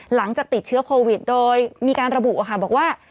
หลังจากติดเชื้อโควิดโดยมีการระบุค่ะบอกว่า